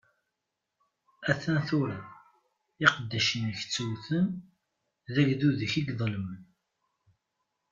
A-t-an tura, iqeddacen-ik ttewten, d agdud-ik i yeḍelmen.